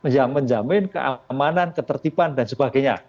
yang menjamin keamanan ketertiban dan sebagainya